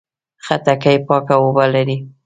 خټکی پاکه اوبه لري.